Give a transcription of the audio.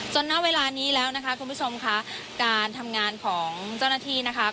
ณเวลานี้แล้วนะคะคุณผู้ชมค่ะการทำงานของเจ้าหน้าที่นะคะ